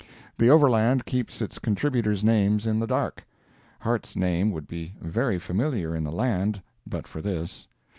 The Overland keeps it contributors' names in the dark. Harte's name would be very familiar in the land but for this.